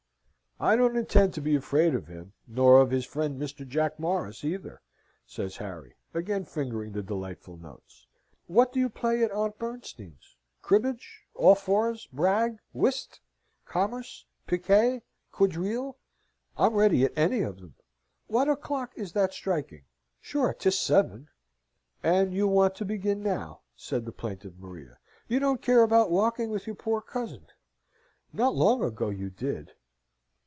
"I don't intend to be afraid of him, nor of his friend Mr. Jack Morris neither," says Harry, again fingering the delightful notes. "What do you play at Aunt Bernstein's? Cribbage, all fours, brag, whist, commerce, piquet, quadrille? I'm ready at any of 'em. What o'clock is that striking sure 'tis seven!" "And you want to begin now," said the plaintive Maria. "You don't care about walking with your poor cousin. Not long ago you did."